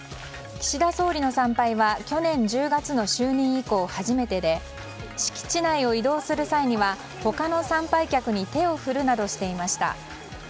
岸田総理の参拝は去年１０月の就任以降初めてで敷地内を移動する際には他の参拝客に手を振るなどしていました。